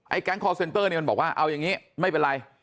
แก๊งคอร์เซ็นเตอร์เนี่ยมันบอกว่าเอาอย่างนี้ไม่เป็นไร